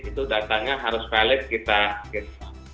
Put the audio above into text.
itu datanya harus valid kita gitu